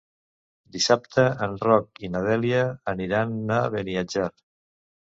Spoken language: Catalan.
Dissabte en Roc i na Dèlia aniran a Beniatjar.